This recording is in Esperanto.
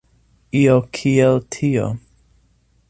Io kiel tio.